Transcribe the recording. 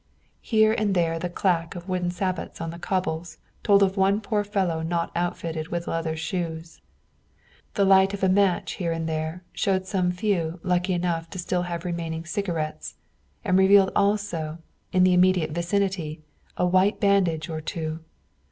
Here and there the clack of wooden sabots on the cobbles told of one poor fellow not outfitted with leather shoes. The light of a match here and there showed some few lucky enough to have still remaining cigarettes, and revealed also, in the immediate vicinity, a white bandage or two.